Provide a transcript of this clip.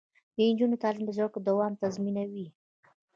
د نجونو تعلیم د زدکړو دوام تضمینوي.